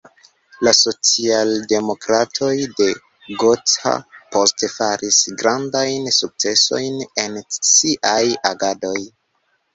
La socialdemokratoj de Gotha poste faris grandajn sukcesojn en siaj agadoj.